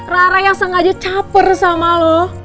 rara yang sengaja caper sama lo